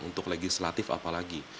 untuk legislatif apalagi